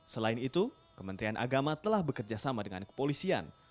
selain itu kementerian agama telah bekerjasama dengan kepolisian